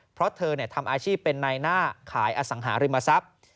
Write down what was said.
เพราะเธอทำอาชีพเป็นนายหน้าขายอสังหาริมทรัพย์